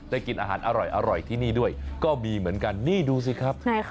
กินอาหารอร่อยที่นี่ด้วยก็มีเหมือนกันนี่ดูสิครับ